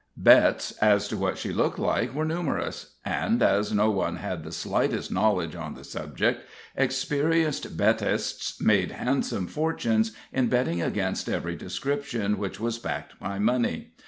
Bets as to what she looked like were numerous; and, as no one had the slightest knowledge on the subject, experienced bettists made handsome fortunes in betting against every description which was backed by money.